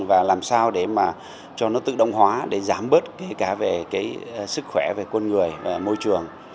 và làm sao để mà cho nó tự động hóa để giảm bớt cái sức khỏe về con người môi trường